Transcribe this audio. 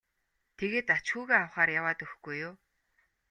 тэгээд ач хүүгээ авахаар яваад өгөхгүй юу.